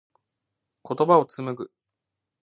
言葉を紡ぐ。